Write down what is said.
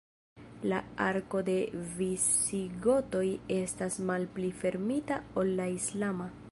La arko de visigotoj estas malpli fermita ol la islama.